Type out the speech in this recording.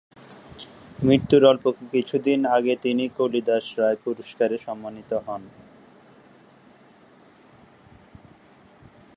মৃত্যুর অল্প কিছুদিন আগে তিনি কালিদাস রায় পুরষ্কারে সম্মানিত হন।